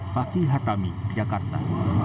fakih hatami jakarta